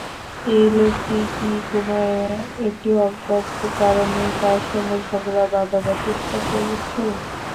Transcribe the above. এই লোকটি কি কোনো একটি অজ্ঞাত কারণে তাঁর সঙ্গে ঝগড়া বাধাবার চেষ্টা করছে?